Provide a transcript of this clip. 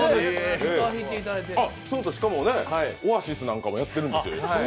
しかも、ＯＡＳＩＳなんかもやってるんですよ。